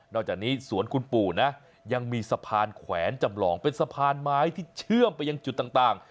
จากนี้สวนคุณปู่นะยังมีสะพานแขวนจำลองเป็นสะพานไม้ที่เชื่อมไปยังจุดต่าง